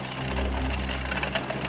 dan arryn melakukan apa yang diminta